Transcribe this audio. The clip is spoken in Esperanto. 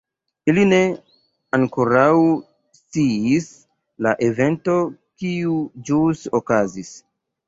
Ili ne ankoraŭ sciis la eventon kiu ĵus okazis.